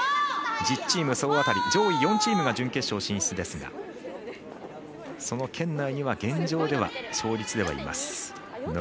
１０チーム総当たり上位４チームが準決勝進出ですが、現状ではその圏内に勝率ではいけます。